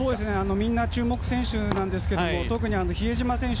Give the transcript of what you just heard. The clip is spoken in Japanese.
みんな注目選手ですけど特に比江島選手。